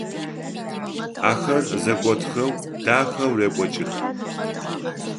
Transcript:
Ахэр зэготхэу дахэу рекӏокӏых.